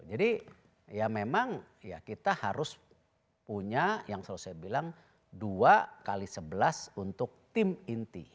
jadi ya memang ya kita harus punya yang selalu saya bilang dua kali sebelas untuk tim inti